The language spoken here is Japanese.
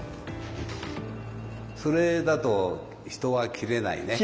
それだと人は斬れないね。